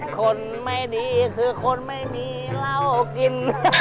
คนไม่ดีคือคนไม่มีเหล้ากิน